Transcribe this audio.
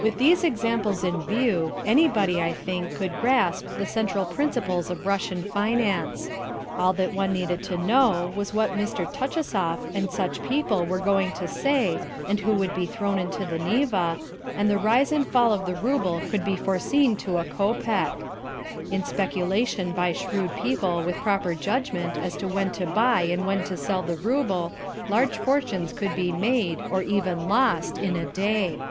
With these examples in view, anybody, I think, could grasp the central principles of Russian finance. All that one needed to know was what M. Touchusoff and such people were going to say, and who would be thrown into the Neva, and the rise and fall of the rouble could be foreseen to a kopeck. In speculation by shrewd people with proper judgment as to when to buy and when to sell the rouble, large fortunes could be made, or even lost, in a day.